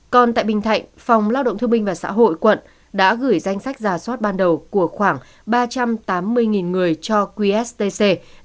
còn tại bình thạnh phòng lao động thương binh và xã hội quận đã gửi danh sách giả soát ban đầu của khoảng ba trăm tám mươi người cho qst